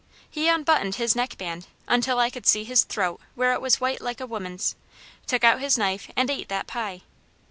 He unbuttoned his neckband until I could see his throat where it was white like a woman's, took out his knife and ate that pie.